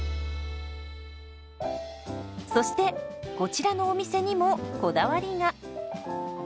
そしてこちらのお店にもこだわりが。